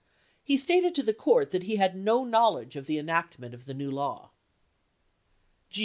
He stated to the court that he had no knowledge of the enactment of the new law.